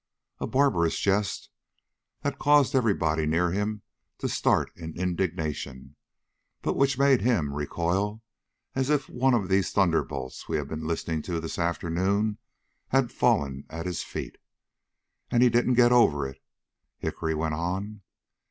A barbarous jest, that caused everybody near him to start in indignation, but which made him recoil as if one of these thunderbolts we have been listening to this afternoon had fallen at his feet. And he didn't get over it," Hickory went on.